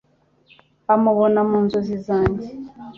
amubona mu nzozi zanjye